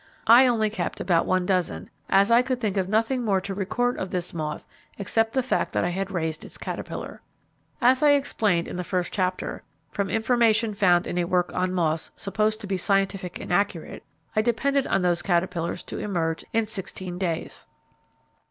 I only kept about one dozen, as I could think of nothing more to record of this moth except the fact that I had raised its caterpillar. As I explained in the first chapter, from information found in a work on moths supposed to be scientific and accurate, I depended on these caterpillars to emerge in sixteen days.